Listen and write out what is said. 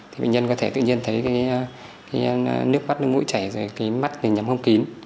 thì bệnh nhân có thể tự nhiên thấy cái nước mắt mũi chảy rồi cái mắt rồi nhắm không kín